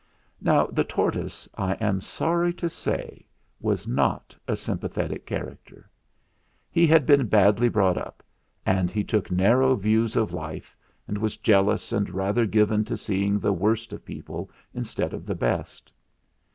"Now the tortoise, I am sorry to say, was not a sympathetic character. He had been badly brought up, and he took narrow views of life, and was jealous and rather given to seeing the worst of people instead of the best.